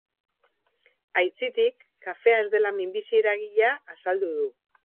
Aitzitik, kafea ez dela minbizi-eragilea azaldu du.